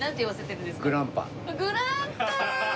グランパ！